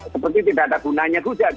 seperti tidak ada gunanya gudang